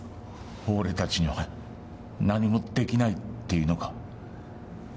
俺たちには何も出来ないって言うのか？